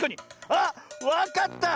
あっわかった！